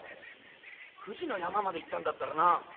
富士の山まで行ったんだったらな